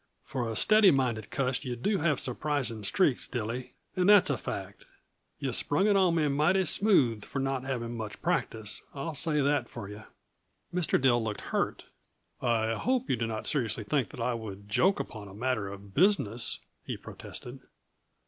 "For a steady minded cuss, yuh do have surprising streaks, Dilly, and that's a fact. Yuh sprung it on me mighty smooth, for not having much practice I'll say that for yuh." Mr. Dill looked hurt. "I hope you do not seriously think that I would joke upon a matter of business," he protested.